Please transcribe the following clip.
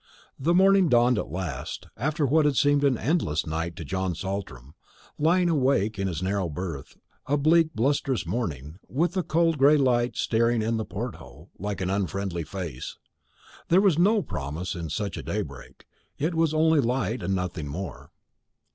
The morning dawned at last, after what had seemed an endless night to John Saltram, lying awake in his narrow berth a bleak blusterous morning, with the cold gray light staring in at the port hole, like an unfriendly face. There was no promise in such a daybreak; it was only light, and nothing more.